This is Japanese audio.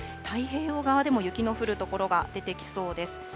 太平洋側でも雪の降る所が出てきそうです。